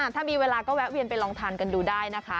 ถ้ามีเวลาก็แวะเวียนไปลองทานกันดูได้นะคะ